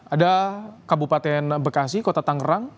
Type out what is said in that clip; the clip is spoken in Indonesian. ada kabupaten bekasi kota tangerang